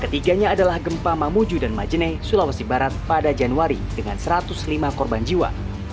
ketiganya adalah gempa mamuju dan majeneh sulawesi barat pada januari dengan satu ratus lima korban jiwa